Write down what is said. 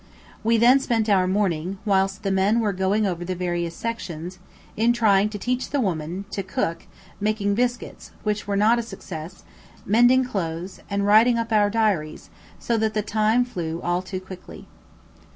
We then spent our morning, whilst the men were going over the various sections, in trying to teach the woman to, cook, making biscuits, which were not a success, mending clothes, and writing up our diaries; so that the time flew all too quickly.